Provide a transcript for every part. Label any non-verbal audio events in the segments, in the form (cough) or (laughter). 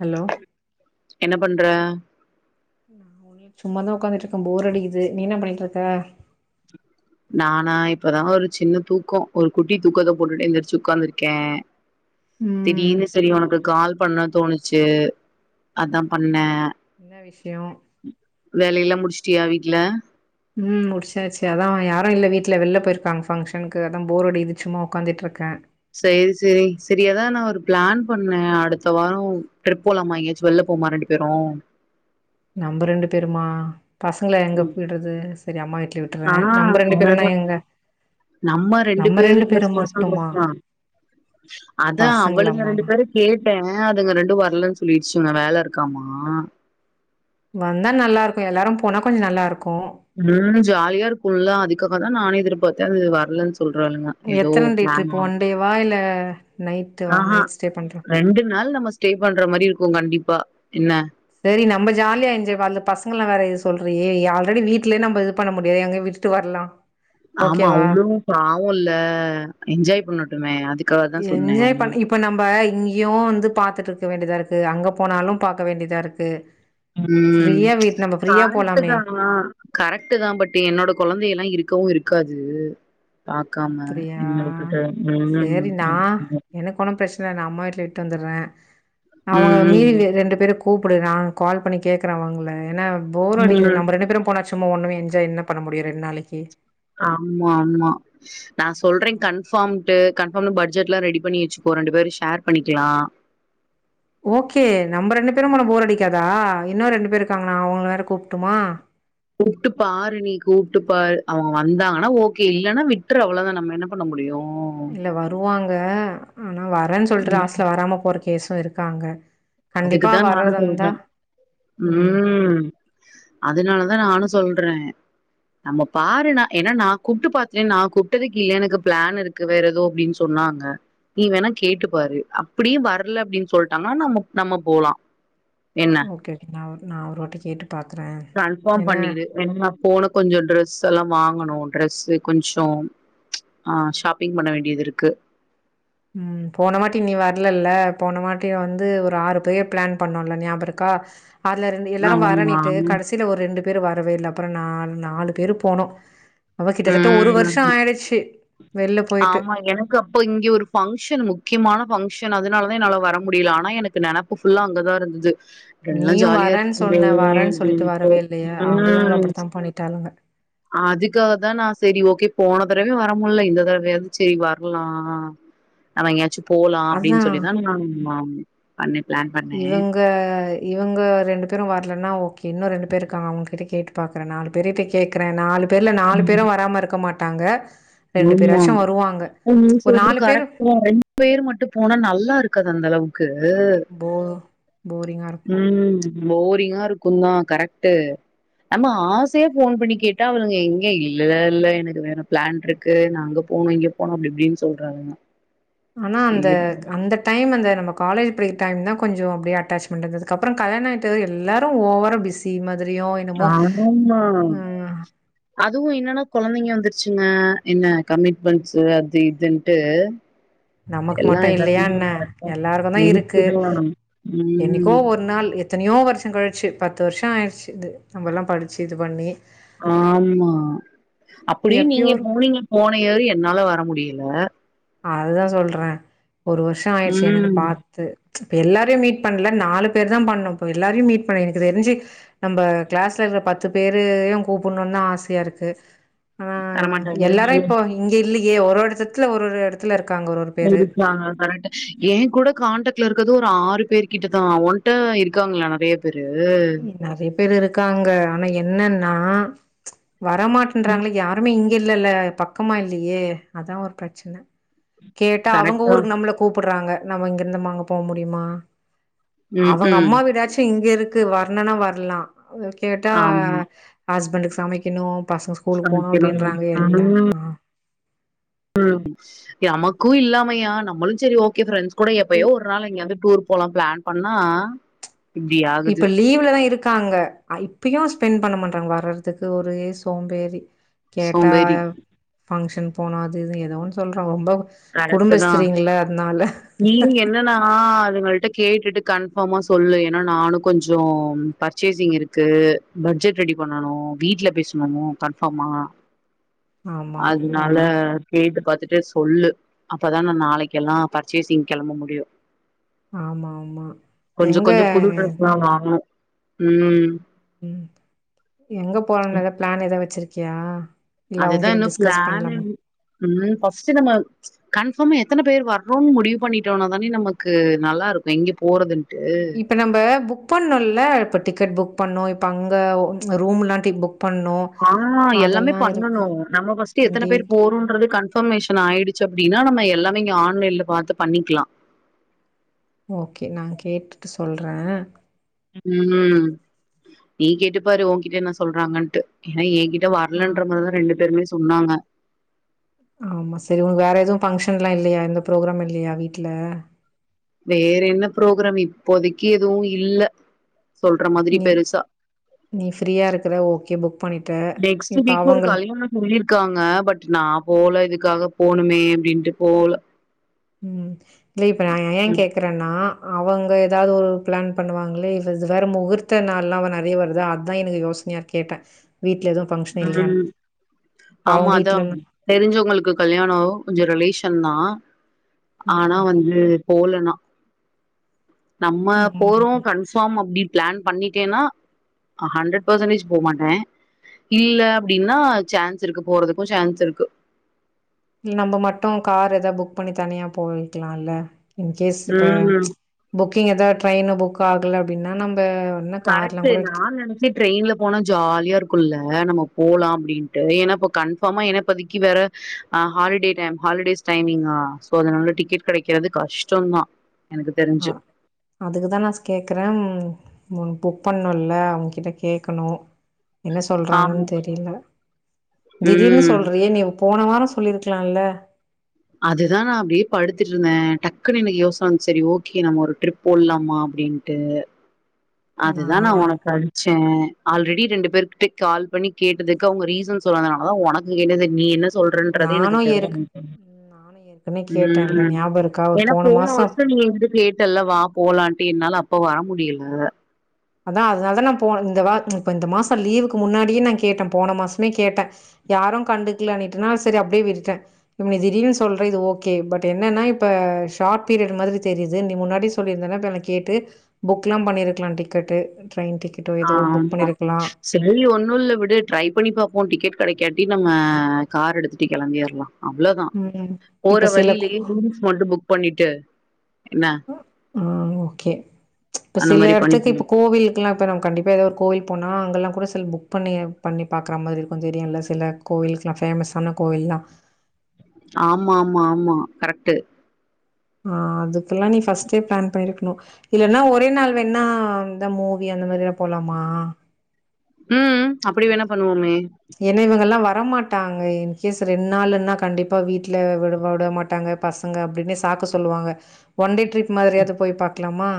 Hello என்ன பண்ற சும்மாதா உக்காந்துட்ருக்கே போர் அடிக்குது நீ என்ன பண்ணிட்ருக்க நானா இப்பதா ஒரு சின்ன தூக்கோ ஒரு குட்டி தூக்கத்த போட்டுட்டு எந்திரிச்சு உக்காந்துருக்கே ம் திடீனு சரி ஒனக்கு கால் பண்ண தோணுச்சு அதா பண்ணே என்ன விஷ்யோ வேலயெல்லா முடிச்சுட்டியா வீட்டுல ம் முடிச்சாச்சு அதா யாரு இல்ல வீட்ல வெள்ல போய்ருக்காங்க ஃபங்க்ஷனுக்கு அதா போரடிக்குது சும்மா உக்காந்துட்ருக்கே சேரி சேரி சரி ஏதா நா ஒரு பிளான் பண்ணே அடுத்த வாரம் ட்ரிப் போலாமா எங்கயாச்சு வெள்ல போமா ரெண்டு பேரும் நம்ம ரெண்டு பேருமா பசங்கள எங்கப் போய் விட்றது சரி அம்மா வீட்ல விட்டுறே ஆ நம்ம ரெண்டு பேரும்னா அவ்ளோதா எங்க நம்ம ரெண்டு பேரு பிளஸ் பசங் இருக்லா அத்தா அவ்வளுங்க பசங்களாமா ரெண்டு பேரும் கேட்டே அதுங்க ரெண்டு வர்லன்னு சொல்லிடுச்சுங்க வேல இருக்காமா வந்தா நல்லா இருக்கு எல்லாரு போனா கொஞ்ச நல்லா இருக்கு ம் ஜாலியா இருக்குல்ல அதுக்காகதா நானே எதிர்பாத்தே அது வர்லன்னு சொல்றாளுங்க ஏதோ எத்தன டே ட்ரிப் பிளானா ஒன் டேவா இல்ல நைட்டுவா ஆ அ நைட் ஸ்டே பண்ற ரெண்டு நாள் நம்ம ஸ்டே பண்ற மாரி இருக்கு கண்டிப்பா என்ன சேரி நம்ம ஜாலியா என்ஜாய் வர பசங்கலா வேற இது சொல்ரியே ஆல்ரெடி வீட்ல நம்ம இது பண்ண முடியாது எங்க விட்டுட்டு வர்லா ஆமா அவுங்களு பாவுல்ல என்ஜாய் பண்ணட்டுமே அதுக் என்ஜாய் பன் இப் இப்ப நம்ம இங்கயு வந்து பாத்துட்டு இருக்க வேண்டியதா இருக்கு அங்க போனாலு பாக்க வேண்டியதா இருக்கு ம் ஃப்ரீயா வீட் நம்ம ஃப்ரீயா போலாமே கரெட்டுதா கரெக்ட்தா பட் என்னோட கொழந்த எல்லா இருக்கவு இருக்காது பாக்காம அப்டியா என்னவிட்டுட்டு சரி நா (inaudible) எனக்கு ஒன்னு ப்ரச்சனல நா அம்மா வீட்ல விட்டு வந்துறே அவுங்க ம். மீறி ரெண்டு பேரு கூப்புடு நா கால் பண்ணி கேக்கறே அவுங்ள ஏனா போரடிக்குது ம். நம்ம ரெண்டு பேரும் போனா சும்மா ஒண்ணுமே என்ஜாய் என்ன பண்ண முடியு ரெண்டு நாளைக்கி ஆமா ஆமா நா சொல்றே கன்ஃபாம்டு கன்ஃபாம்ல பட்ஜெட்லா ரெடி பண்ணி வச்சுகோ ரெண்டு பேரு ஷேர் பண்ணிக்கலா ஓகே நம்ம ரெண்டு பேரு போனா போர் அடிக்காதா இன்னு ரெண்டு பேர் இருக்காங்கனா அவுங்க வேற கூப்ட்ருமா கூப்ட்டு பாரு நீ கூப்ட்டு பாரு அவுங்க வந்தாங்கன்னா ஓகே இல்லன்னா விட்று அவ்ளதா நம்ம என்ன பண்ண முடியு இல்ல வருவாங்க ஆனா வரன்னு சொல்லிட்டு ம் லாஸ்ல வராம போற கேசும் இருக்காங்க கண்டிப்பா அதுக்குதா நானு வர்றதா இருந்தா சொல்றே ம் அதனாலதா நானு சொல்றே நம்ம பாருனா ஏனா நா கூப்ட்டு பாத்துதென் நா கூப்ட்டதுக்கு எனக்கு பிளான் இருக் கு வேற எதோ அப்டின்னு சொன்னாங்க நீ வேணா கேட்டு பாரு அப்டியு வர்ல அப்டின்னு சொல்ட்டாங்ன்னா நம்ம நம்ம போலா என்ன ஓகே ஒகே நா நா ஒரு வாட்டி கேட்டு பாக்குறே கன்ஃபார்ம் ஏனா பண்ணிரு ஏன்னா போட கொஞ்சோ ட்ரெஸ் எல்லா வாங்கணு ட்ரெஸ்ஸூ கொஞ்சோ ச் ஆ ஷாப்பிங் பண்ண வேண்டியதுருக்கு போனவாட்டி நீ வர்லள்ள போனவாட்டி வந்து ஒரு ஆறு பேர் பிளான் பண்ணோன்ல ஞாபகோ இருக்கா அதுல ரெ எல்லாரு ஆமா வரணிட்டு கடைசியில ஒரு ரெண்டு பேரு வரவே இல்ல அப்புறோ நா நாலு பேர் போனோ அப்ப கிட்டத்தட்ட ஒரு ம் வருஷோ ஆயிடுச்சு வெள்ல போய்ட்டு ஆமா எனக்கு அப்போ இங்க ஒரு ஃபங்க்ஷன் முக்கியமான ஃபங்க்ஷன் அதனால தா என்னால வர முடியல ஆனா எனக்கு நெனப் ஃபுல்லா அங்க தா இருந்தது எல்லாம் நீயு வரேன்னு ஜாலியாருக்குங்ளே சொன்ன வரேன்னு சொல்லிட்டு அப்டின்ட்டு வரவே இல்லையே அவளுங்களு ஆ அப்படித்தா பண்ணிட்டாளுங்க ஆது இதுக்காகதா நா சேரி ஓகே போன தடவையு வர முடியல இந்த தடவையாவது செரி வர்லா நம்ம எங்கயாச்சும் போலா அதா அப்டின்னு சொல்லிதா நா பண்ணே பிளான் பண்ணே ங்க இவங்க ரெண்டு பேரும் வரலன்னா ஓகே இன்னும் ரெண்டு பேர் இருக்காங்க அவங்கிட்ட கேக்கு பாக்குறே நாலு பேர் போய் கேக்குறே நாலு பேர்ல நாலு பேரு ம் வராம இருக்க மாட்டாங்க ரெண்டு ஆமா பேராச்சு வருவாங்க நீ ஒரு சொல்றது நாலு பேரு கரெக்ட் தா ரெண்டு பேர் மட்டும் போனா நல்லா இருக் க்கது அந்தளவுக்கு போ போரிங்கா இருக்கு ம் போரிங்கா இருக்குந்தா கரெக்ட்டு நம்மோ ஆசையா ஃபோன் பண்ணி கேட்டா அவளுங்க எங்க இல்ல இல்ல எனக்கு வேற பிளான்ட்ருக்கு கு நா அங்க போணும் இங்க போனும் அப்டி இப்டின்னு சொல்றாங்க ஆனா அந்த அந்த டைம் அந்த நம்ம காலேஜ் படிக்க டைம் தா கொஞ்சோ அப்டிய அட்டாச்மெண்ட்ருந்தது அதுக்கப்புறோ கல்யாண ஆயிட்டது எல்லாரு ஓவரா பிஸ் தி மாதிரியு என்னமோ ஆமா ம் அதுவு என்னன்னா கொழந்தைங்க வந்துருச்சுங்க என்ன கமிட்மெண்ட்ஸ் அது இதுன்ட்டு நமக்கு எல்லா மட்டு இல்லையா எல்லாத்துலயு என்ன எல்லாருக்கு தா இருக்கு இருக்குதா என்னைக்கோ ம் ஒரு நாள் எத்தனையோ வருஷோ கழிச்சு பத்து வருஷோ ஆயிடுச்சு இது நம்மல்லா படிச்சு இது பண்ணி ஆமா அப்டியு எப்பயோ நீங்க ஒரு போனீங்க போன இயர் என்னால வர முடியல அதுதா சொல்றே ஒரு வருஷோ ஆயிடுச்சு எனக்கு ம் பா து எல்லாரையும் மீட் பண்ணல த்து எல்லாரையு மீட் பண்ல நாலு பேர் தா பண்ணோ இப்ப எல்லாரையு மீட் பண்ணு எனக்கு தெரிஞ்சு நம்ப கிளாஸ்ல இருக்கற பத்து பேரையு கூப்புணுன்னுதா ஆசையாருக்கு ஆ வரமாட்டாங்களே எல்லாரும் இப்போ இங்கே இல்லையே ஒரு ஒரு எடத்துல ஒரு ஒரு எடத்துல இருக்காங்க ஒருவொர் இருக்காங்க கரெக்ட் ஏ கூட கான்டெக்ட்ல இருக்கது ஒரு ஆறு பேர் கிட்டதா ஓன்ட்ட இருக்காங்களா நறைய பேரு நறைய பேரு இருக்காங்க ஆனா என்னன்னா ம் வரமாட்டேன்றாங்களே யாருமே இங்கே இல்லல்ல பக்கமா இல்லையே அதா ஒரு பிரச்சன கேட்டா அவங்க கரெக்டா ஊருக்கு நம்மள கூப்புடுறாங்க நம்ம இங்கிருந்து நம்ம அங்க போக முடியுமா ம் அவுங்க ம் அம்மா வீடாச்சு இங்கருக்கு வர்ணுனா வர்லா கேட்டா ஆமா ஹஸ்பண்டுக்கு சமைக்கணு பசங்க ஸ்கூலுக்கு போணு சமைக்கணு அப்படின்றாங்க எல்லா ஆ ம் நமக்கும் இல்லாமையா நம்மளும் சரி ஓகே ஃப்ரெண்ட்ஸ் கூட இ எப்பயோ ஒரு நாள் எங்கேயாவது டூர் போலான் பிளான் பண்ணா இப்டி ஆகுது இப்ப லீவ்ல தா இருக்காங்க அ இப்பயு ஸ்பெண்ட் பண்ண மாட்றாங்க வர்றதுக்கு ஒரே சோம்பேறி கேட்டா சோம்பேறி ஃபங்க்ஷன் போனா அது இது ஏதோன்னு சொல்ற ரொம்ப கரெக்ட்டு தா குடும்பஸ்திரீங்கள அதனால நீ என்னன்னா அதுங்கள்ட்ட கேட்டுட்டு கன்ஃபர்மா சொல்லு ஏன்னா நானு கொஞ்சோ பர்ச்சேசிங் இருக்கு பட்ஜெட் ரெடி பண்ணனு வீட்ல பேசணு கன்ஃபார்மா ஆமா நா அதுனால கேட்டு பாத்துட்டு சொல்லு அப்பதா நா நாளைக்கெல்லா பர்ச்சேசிங் கெளம்ப முடியு ஆமா ஆமா கொஞ்சோ எங்க கொஞ்சோ புது ட்ரெஸ்ல்லா வாங்குணு உம் ம் எங்க போலான் எதா பிளான் எதா வச்சிருக்கியா இல்ல அதுதா அவங்ககிட்ட இன்னு டிஸ்கஸ் பிளானு பண்லாமா அந்த மாரி ஃபஸ்ட்டு நம்ம கன்ஃபார்மா எத்தனை பேர் வர்றோன்னு முடிவு பண்ணிட்டோனா தானே நமக்கு நல்லா இருக்கும் எங்க போறதுன்ட்டு இப்ப நம்ப புக் பண்ணோல இப்போ டிக்கெட் புக் பண்ணோ இப்போ அங்க ரூமுலான்ட்டி புக் பண்ணோ ஆமா எல்லாமே அதெல்லா இருக் பண்ணணு நம்ம ஃபர்ஸ்ட் எத்தனை பேர் டேட் போறோன்றது கன் கன்ஃபர்மேஷன் ஆயிடுச்சு அப்படின்னா நம்ம எல்லாமே இங்க ஆன்லைன்ல பாத்து பண்ணிக்கலா ஓக்கே நா கேட்டுட்டு சொல்றே உம் நீ கேட்டுப்பாரு உன்கிட்ட என்ன சொல்றாங்கன்ட்டு ஏன்னா என்கிட் ஆ வரலன்ற மாறிதா ரெண்டு பேருமே சொன்னாங்க ஆமா சேரி உனக்கு வேற எதுவும் பஃங்க்ஷன் எல்லா இல்லையா எந்த ப்ரோக்ராமு இல்லையா வீட்ல வேற என்ன ப்ரோக்ராம் இப்போதைக்கு எதுவும் இல்ல சொல்ற மாதிரி நீ பெருசா நீ ஃப்ரீயா இருக்கிற ஓக்கே புக் பண்ணிட்ட டெக்ஸ்ட்டு இப்ப வீக்கு ஒரு அவங்கள் கல்யாணம் சொல்லிருக்காங்க பட் நா போல இதுக்காக போணுமே அப்டின்ட்டு போல உம் இல்ல இப்ப நா ஏ கேக் ம், இருக்கறன்னா அவங்க ஏதாவது ஒரு பிளான் பண்ணுவாங்களே இ இது வேற முகூர்த்த நாள்லா நறைய வருதா அத்தா எனக்கு யோசனையா இருக்கு கேட்டே வீட்ல எதுவு பங்க்ஷன் இல்லையான்னு ம். இப்ப ஆமா அவன் அதான். வீட்லல்லா தெரிஞ்சவங்களுக்கு கல்யாணம் கொஞ்சோ ரிலேஷன் தா ஆனா ம் வந்து போலன்னா நம்ம போறோ ம் கன் கன்பார்ம் அப்படி பிளான் பண்ணிட்டேன்னா ஹண்ட்ரட் பர்சன்டேஜ் போமாட்டே இல்ல அப்படின்னா சான்ஸ் இருக்கு போறதுக்கும் சான்ஸ் இருக்கு நம்ம மட்டும் கார் ஏதா புக் பண்ணி தனியா போய்க்கலா இல்ல இன்கேஸ் இப்ப ம். புக்கிங் ஏதாது ட்ரெயின்னு புக் ஆகல அப்படின்னா நம்ப கரெக்டு நா நெனச் இந்த ட்ரெயின்ல போனா ஜாலியா இருக்குல்ல நம்ப போலா அப்படின்ட்டு ஏன்னா இப்போ கன்ஃபார்மா என்ன இப்பதிக்கி வேற ஆ ஹாலிடே டைம் ஹாலிடேஸ் டைமிங்கா சோ அதனால டிக்கெட் கிடைக்காது கஷ்டந்தா எனக்கு தெரிஞ்சு அதுக்கு தா நா கேட்குறே முன் புக் பண்ணுல்ல அவங்ககிட்ட கேக்கணு என்ன சொல்றாங்கன்னு ஆமா தெரில திடீர்னு ம் சொல்றியே நீ போன வாரம் சொல்லியிருக்கலால்ல அதுதா நா அப்படியே படுத்துட்டு இருந்தே டக்குன்னு எனக்கு யோசனை வந்துச்சு சரி ஓக்கே நம்ம ஒரு டரிப் போட்லாமா அப்படின்ட்டு அதுதா நா உனக்கு அனுப் ச்சே ஆல்ரெடி ரெண்டு பேர்கிட்டே கால் பண்ணி கேட்டதுக்கு அவங்க ரீசன் சொன்னதுனால தா உனக்கு கேட்டது நீ என்ன சொல்றன்றத நானு எனக்கு தெர்ல ஏற்க் (unintelligible) நானு ஏற்கனவே கேட்டேன்ல உம் ஞாபகோ இருக்கா ஒரு ஏன்னா போன மாசோ வருஷோ நீ என்ட்ட கேட்டல்ல வா போலான்ட்டு என்னால அப்ப வர முடியல அத்தா அதனால தா நா போனே இந்த வா இப்ப இந்த மாசோ லீவுக்கு முன்னாடியே நா கேட்டே போன மாசமே கேட்டே யாரும் கண்டுக்கலனிட்டுனா சரி அப்படியே விட்டுட்டே இப்போ நீ திடீர்னு சொல்ற இது ஓக்கே பட் என்னன்னா இப்போ ஷார்ட் பீரியட் மாறி தெரியுது நீ முன்னாடியே சொல்லியிருந்தன்னா இப்ப எனக்கு கேட்டு புக் எல்லா பண்ணியிருக்கலா டிக்கெட்டு ட்ரெயின் டிக்கெட் ஆமா சொல்லி ஒன்னும் இல்ல விடு ட்ரை பண்ணி பாப்போ டிக்கெட் கிடைக்காட்டி நம்ம கார் எடுத்துட்டு கிளம்பிர்லா அவ்ளதா ம் போற இப்ப சில வழியிலயே ரூம்ஸ் மட்டு புக் பண்ணிட்டு என்ன அ ஆ ஓக்கே இப்ப அந்த சில மாரி இடத்துக்கு பண்ணிப்போ இப்ப கோவில் இல்லா இப்ப நம்ம கண்டிப்பா ஏதோ ஒரு கோவில் போனா அங்கல்லா கூட சில புக் பண்ணி பண்ணி பாக்ற மாறி இருக்கும் தெரியுல்ல சில கோயிலுக்கெல்லா ஃபேமஸான கோயில்லா ஆமா ஆமா ஆமா கரெக்ட்டு ஆ அதுக்கெல்லா நீ ஃபஸ்ட்டே ப்ளான் பண்ணிருக்கணு இல்லனா ஒரே நாள் வேணா இந்த மூவி அந்த மாரி எல்லா போலாமா ம் அப்டி வேணா பண்ணுவோமே ஏனா இவங்கல்லா வரமாட்டாங்க இன்கேஸ் ரெண் நாளுன்னா கண்டிப்பா வீட்ல விடு வுடமாட்டாங்க பசங்க அப்டின்னு சாக்கு சொல்லுவாங்க ஒன் டே ட்ரிப் மாதிரியாவது போயி பாக்கலாமா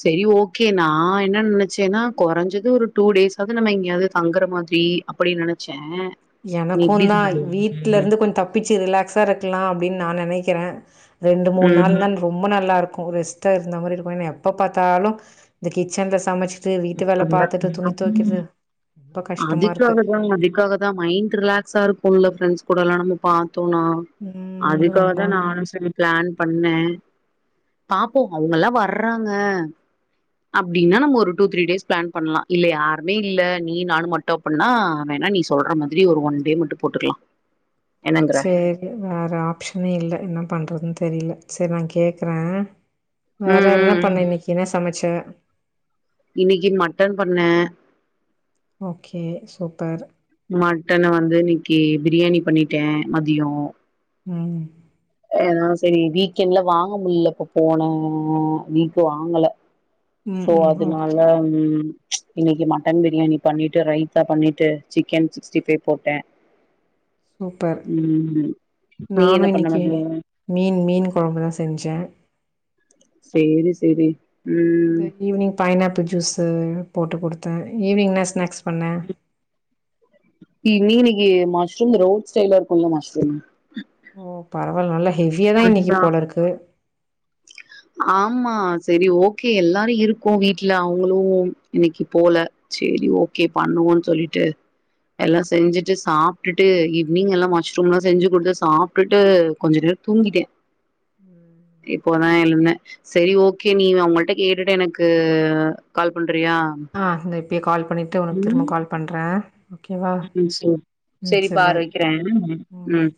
செரி ஓகே நா என்ன நெனச்சேனா கொறஞ்சது ஒரு டூ டேஸ்சாவது நம்ம எங்கேயாவது தங்குற மாதிரி அப்படி நெனச்சே நீ எனக்கும் இப்டி தா சொல்ற வீட்ல இருந்து கொஞ்ச தப்பிச்சு ரிலாக்ஸா இருக்கலா அப்டின்னு நா நெனைக்கிறே ரெண்டு மூணு ம் நாள்னா ரொம்ப நல்லாருக்கு ரெஸ்ட்டா இர்ந்த மாரி இருக்கு ஏனா எப்ப பாத்தாலு இந்த கிச்சன்ல சமச் ரொம்ப கஷ்டமா இருக்கு அதுக்காகதா அதுக்காக அதா மைண்ட் ரிலாக்ஸ்ஸா இருக்கும்ல ஃப்ரெண்ட்ஸ் கூடல்லா நம்மோ பாத்தோனா ம் அதுக்காக ரொம்ப தா நானு செரி ப்ளான் பண்ணே பாப்போ அவுங்கெல்லா வர்றாங்க அப்டினா நம்ம ஒரு டூ, த்ரீ டேஸ் ப்ளான் பண்ணலா இல்ல யாருமே இல்ல நீயு நானு மட்டு அப்பிட்னா வேணா நீ சொல்ற மாதிரி ஒரு ஒன் டே மட் டு போட்டுக்கலா என்னங்கற செரி வேற ஆப்ஷனே இல்ல என்ன பண்றதுன்னு தெரியல செரி நா கேக்குறே வேற ம் என்ன ம் ம். பண்ண இன்னைக்கு என்ன சமச்ச இன்னைக்கு மட்டன் பண்ணே ஓகே சூப்பர் மட்டன வந்து இன்னிக்கி பிரியாணி பண்ணீட்டே மதியோ ம் செரி வீக்கெண்ட்ல வாங்க முல்ல இப்ப போன வீக்கு வாங்கல ம் சோ ம் அதனால ஓகே ம் இன்னைக்கி மட்டன் பிரியாணி பண்ணீட்டு ரைத்தா பண்ணீட்டு சிக்கன் சிக்ஸ்ட்டி ஃபை போட்டே சூப்பர் ம் நீ என்ன பண்ண மதியோ மீனு மீன் கொழம்பு தா செஞ்சே சேரி செரி இந்த ஈவினிங் பைனாப்பிள் ஜூஸு போட்டு குடுத்தே ஈவினிங் என்ன ஸ்நாக்ஸ் பண்ண இன்னைக்கு மஷ்ரூம் ரோட் ஸ்டைல இருக்கும்ல மஷ்ரூம் ஓ பரவால்ல நல்லா ஹெவியா தா இன்னைக்கு அதுதா போல இருக்கு ஆமா செரி ஓகே எல்லாரு இருக்கு வீட்ல அவங்களு இன்னைக்கு போல செரி ஓகே பண்ணுவோனு சொல்லிட்டு எல்லா செஞ்சுட்டு சாப்டுட்டு ஈவி்னிங் எல்லா மஷ்ரூம் எல்லா செஞ்சு கொடுத்து சாப்டுட்டு கொஞ்ச நேரோ தூங்கிட்டே இப்போதா எழுந்தே செரி ஓகே நீ அவுங்கள்ட கேட்டுட்டு எனக்கு கால் பண்றியா ஆ இந்த இப்போயே கால் பண்ணிட்டு உனக்கு ம் திரும்பவு கால் பண்றே ஓகேவா ம் சேரி சேரி செரி பாரு பாய் வைக்கிறே ம் பாய்